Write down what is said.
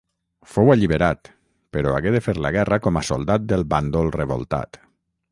Fou alliberat, però hagué de fer la guerra com a soldat del bàndol revoltat.